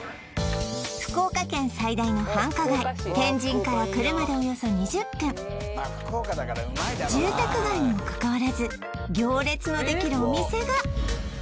福岡県最大の繁華街天神からおよそ住宅街にもかかわらず行列のできるお店が！